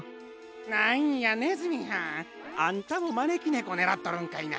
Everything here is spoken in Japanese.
なんやねずみはんあんたもまねきねこねらっとるんかいな。